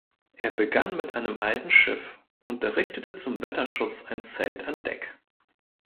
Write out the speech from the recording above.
Er begann mit einem alten Schiff und errichtete zum Wetterschutz ein Zelt an Deck.